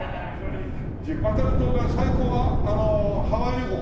当たると最高はハワイ旅行？